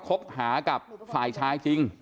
คบหากับฝ่ายชายจริง